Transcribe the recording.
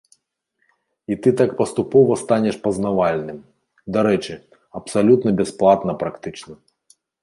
І ты так паступова станеш пазнавальным, дарэчы, абсалютна бясплатна практычна.